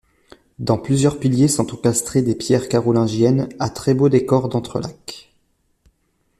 Dans plusieurs piliers sont encastrées des pierres carolingiennes à très beau décor d'entrelacs.